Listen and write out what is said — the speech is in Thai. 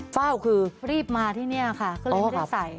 เฝ้าคือรีบมาที่นี่ค่ะก็เลยไม่ได้ใส่